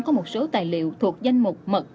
có một số tài liệu thuộc danh mục mật